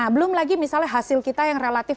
belum lagi misalnya hasil kita yang relatif